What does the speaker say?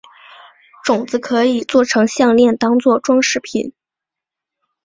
种子可以作成项炼当作装饰品。